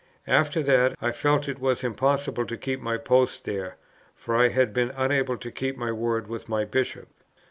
After that, I felt it was impossible to keep my post there, for I had been unable to keep my word with my Bishop.